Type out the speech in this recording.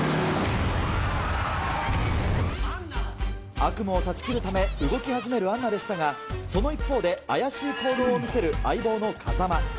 悪夢を断ち切るため、動き始めるアンナでしたが、その一方で、怪しい行動を見せる相棒の風真。